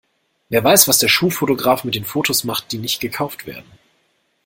Wer weiß, was der Schulfotograf mit den Fotos macht, die nicht gekauft werden?